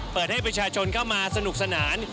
เปิดให้ประชาชนเข้ามาสนุกสนาน